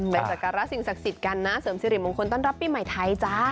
สักการะสิ่งศักดิ์สิทธิ์กันนะเสริมสิริมงคลต้อนรับปีใหม่ไทยจ้า